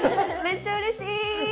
めっちゃうれしい！